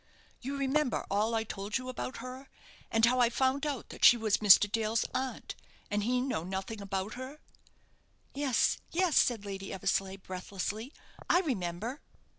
You remember all I told you about her, and how I found out that she was Mr. Dale's aunt, and he know nothing about her?" "Yes, yes," said Lady Eversleigh, breathlessly, "I remember."